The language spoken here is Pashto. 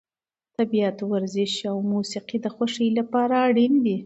طبیعت، ورزش او موسیقي د خوښۍ لپاره اړین دي.